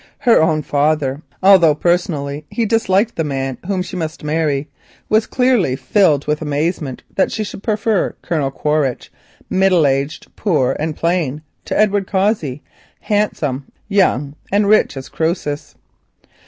Her own father, although personally he disliked the man whom she must marry, was clearly filled with amazement that she should prefer Colonel Quaritch, middle aged, poor, and plain, to Edward Cossey—handsome, young, and rich as Croesus.